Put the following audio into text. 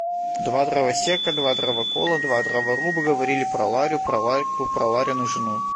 Два дровосека, два дровокола, два дроворуба говорили про Ларю, про Ларьку, про Ларину жену.